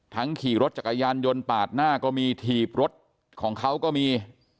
ขี่รถจักรยานยนต์ปาดหน้าก็มีถีบรถของเขาก็มี